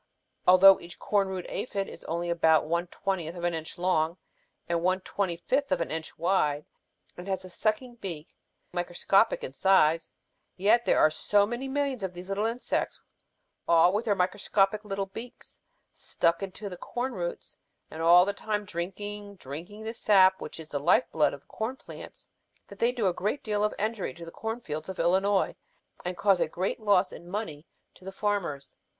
Although each corn root aphid is only about one twentieth of an inch long and one twenty fifth of an inch wide and has a sucking beak simply microscopic in size, yet there are so many millions of these little insects all with their microscopic little beaks stuck into the corn roots and all the time drinking, drinking the sap which is the life blood of the corn plants that they do a great deal of injury to the corn fields of Illinois and cause a great loss in money to the farmers.